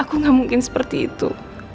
aku gak mungkin seperti itu